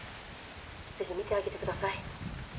ぜひ見てあげてください。